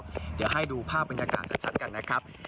เดี๋ยวให้ดูภาพบรรยากาศชัดกันนะครับ